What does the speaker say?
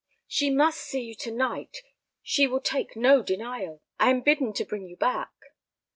"She must see you to night; she will take no denial; I am bidden to bring you back."